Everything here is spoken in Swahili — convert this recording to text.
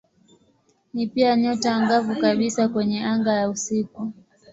Ni pia nyota angavu kabisa kwenye anga ya usiku.